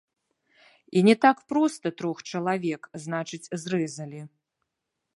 І не так проста трох чалавек, значыць, зрэзалі.